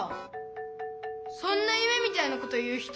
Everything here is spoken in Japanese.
そんなゆめみたいなこと言う人